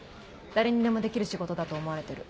誰にでもできる仕事だと思われてる。